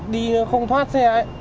đi nó không thoát xe ấy